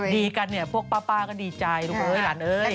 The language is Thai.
ดีกันเนี่ยพวกป้าก็ดีใจลูกเอ้ยหลานเอ้ย